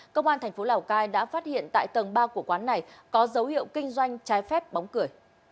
công an thành phố lào cai đã phát hiện tại tầng ba của quán này có dấu hiệu kinh doanh trái phép bóng cười